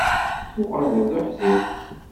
Tuɣaleḍ d uḥdiq.